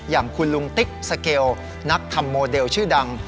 อย่างคุณลุงติ๊กสเกลนักทำโมเดลชื่อดัง